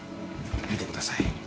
見てください。